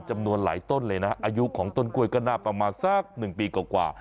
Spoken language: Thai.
จำนวนหลายต้นเลยนะอายุของต้นกล้วยก็น่าประมาณสัก๑ปีกว่า